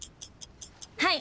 はい。